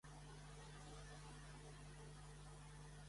Tenen quatre fills: Carl, Jane, Harry i Ann.